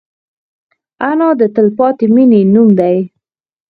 انا د تلپاتې مینې نوم دی